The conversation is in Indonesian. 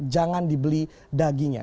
jangan dibeli dagingnya